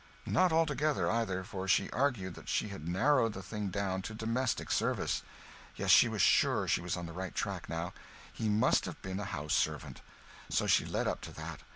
Not altogether, either; for she argued that she had narrowed the thing down to domestic service. Yes, she was sure she was on the right track, now; he must have been a house servant. So she led up to that.